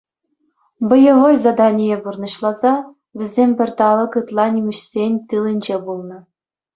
Боевой задание пурнӑҫласа, вӗсем пӗр тавлӑк ытла нимӗҫсен тылӗнче пулнӑ.